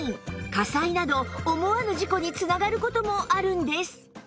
火災など思わぬ事故に繋がる事もあるんです